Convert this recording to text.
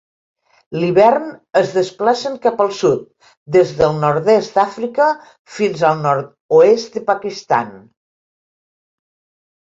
L'hivern es desplacen cap al sud, des del nord-est d'Àfrica fins al nord-oest de Pakistan.